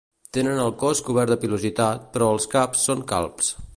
Tenen el cos cobert de pilositat però els caps són calbs.